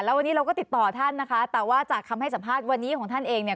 แล้ววันนี้เราก็ติดต่อท่านนะคะแต่ว่าจากคำให้สัมภาษณ์วันนี้ของท่านเองเนี่ย